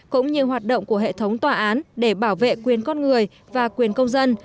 cũng như hoạt động của hệ thống tòa án để bảo vệ quyền con người và quyền công dân